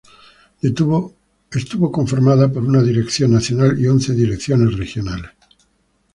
Estuvo conformada por una Dirección Nacional y once Direcciones Regionales.